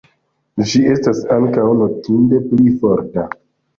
Ĝi estas ankaŭ notinde pli forta.